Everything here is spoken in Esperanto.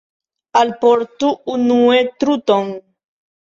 Alportu unue truton.